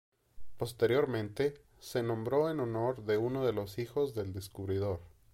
Posteriormente se nombró en honor de uno de los hijos del descubridor.